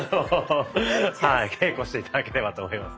稽古して頂ければと思います。